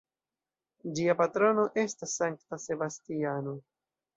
Ĝia patrono estas Sankta Sebastiano.